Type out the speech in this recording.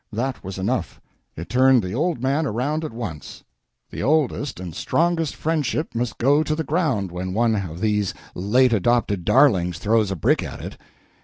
That was enough; it turned the old man around at once. The oldest and strongest friendship must go to the ground when one of these late adopted darlings throws a brick at it."